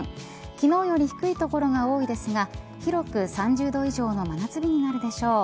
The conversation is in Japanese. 昨日より低い所が多いですが広く３０度以上の真夏日になるでしょう。